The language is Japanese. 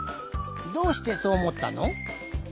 どうしてそうおもったの？